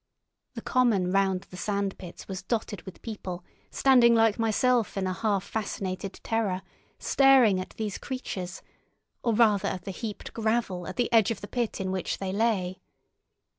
The common round the sand pits was dotted with people, standing like myself in a half fascinated terror, staring at these creatures, or rather at the heaped gravel at the edge of the pit in which they lay.